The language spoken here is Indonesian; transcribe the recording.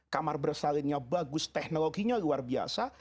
kamar bersalinnya bagus teknologinya luar biasa